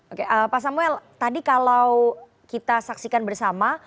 oke pak samuel tadi kalau kita saksikan bersama